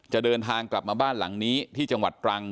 เดินทางกลับมาบ้านหลังนี้ที่จังหวัดตรัง